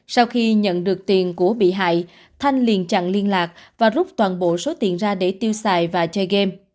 sau khi nhận được tiền của bị hại thanh liền chặn liên lạc và rút toàn bộ số tiền ra để tiêu xài và chơi game